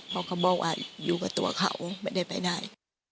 เขาก็บอกว่าอยู่กับตัวเขาไม่ได้ไปได้